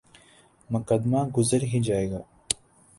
مقدمہ گزر ہی جائے گا۔